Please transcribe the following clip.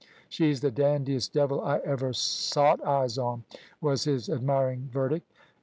"She's the dandiest devil I ever sot eyes on," was his admiring verdict.